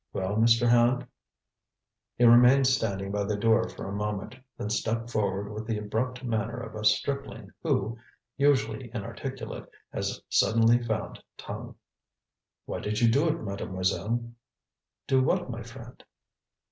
"Well, Mr. Hand?" He remained standing by the door for a moment, then stepped forward with the abrupt manner of a stripling who, usually inarticulate, has suddenly found tongue. "Why did you do it, Mademoiselle?" "Do what, my friend?"